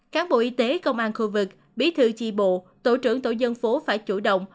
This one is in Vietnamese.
cán bộ y tế công an khu vực bí thư chi bộ tổ trưởng tổ dân phố phải chủ động